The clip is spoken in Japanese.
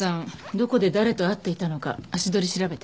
どこで誰と会っていたのか足取り調べて。